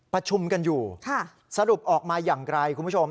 ประชุมกันอยู่สรุปออกมาอย่างไกลคุณผู้ชม